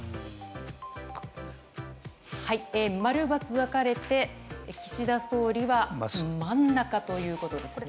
○×分かれて、岸田総理は真ん中ということですね。